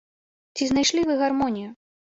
Ці знайшлі вы гармонію?